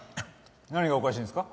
何がおかしいんですか？